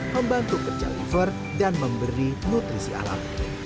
membantu kerja liver dan memberi nutrisi alam